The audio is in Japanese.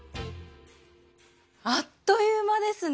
あっという間ですね。